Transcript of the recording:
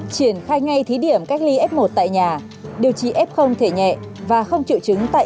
triển khai ngay thí điểm cách ly f một tại nhà điều trị f thể nhẹ và không triệu chứng tại